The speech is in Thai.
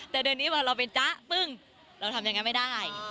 แต่เดือนนี้พอเราเป็นจ๊ะปึ้งเราทำอย่างนั้นไม่ได้